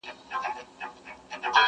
ستاله غېږي به نن څرنګه ډارېږم!